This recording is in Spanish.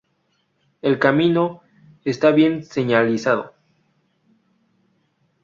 El camino está bien señalizado.